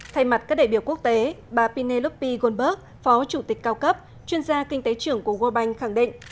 thay mặt các đại biểu quốc tế bà penelope goldberg phó chủ tịch cao cấp chuyên gia kinh tế trưởng của world bank khẳng định